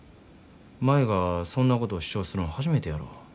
舞がそんなことを主張するん初めてやろ。